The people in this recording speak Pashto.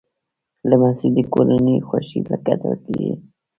لمسی د کورنۍ خوشبختي ګڼل کېږي.